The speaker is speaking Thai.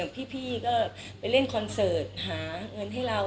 พี่ก็ไปเล่นคอนเสิร์ตหาเงินให้เรา